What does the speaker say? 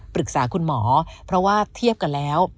ปรึกษาคุณหมอเพราะว่าเทียบกันแล้ว